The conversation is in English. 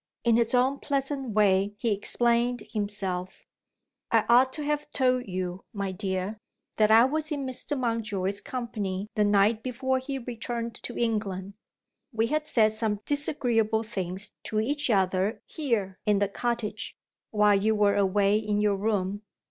In his own pleasant way he explained himself: "I ought to have told you, my dear, that I was in Mr. Mountjoy's company the night before he returned to England. We had said some disagreeable things to each other here in the cottage, while you were away in your room.